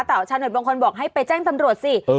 แต่ฉันเหมือนบางคนบอกให้ไปแจ้งตำรวจสิ